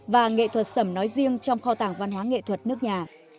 và nghệ thuật sầm nói riêng trong kho tàng văn hóa nghệ thuật nước nhà